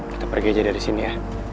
kita pergi aja dari sini ya